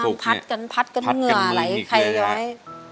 เพราะนางพัดกันเหงื่อไหลไขไว้